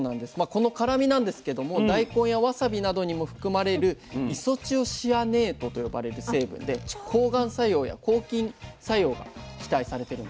この辛みなんですけども大根やわさびなどにも含まれるイソチオシアネートと呼ばれる成分で抗がん作用や抗菌作用が期待されてるんですね。